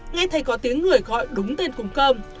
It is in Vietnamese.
nghe thấy có tiếng người gọi đúng tên cùng cơm